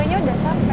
ini udah sampai